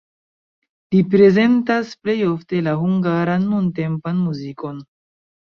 Li prezentas plej ofte la hungaran nuntempan muzikon.